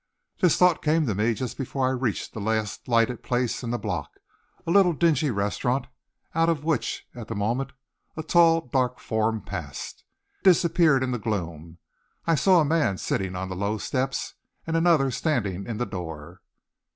This thought came to me just before I reached the last lighted place in the block, a little dingy restaurant, out of which at the moment, a tall, dark form passed. It disappeared in the gloom. I saw a man sitting on the low steps, and another standing in the door.